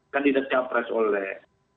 kandidat capres oleh